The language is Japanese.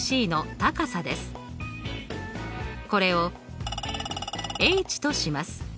これをｈとします。